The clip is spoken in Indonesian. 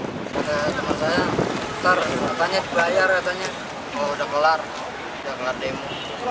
teman saya ntar katanya dibayar katanya kalau udah kelar udah kelar demo